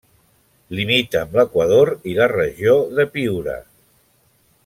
Limita amb l'Equador i la Regió de Piura.